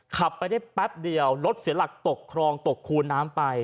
ขับไปได้แป๊บเดียวรถเสียหลักตกครองตกคูน้ำไป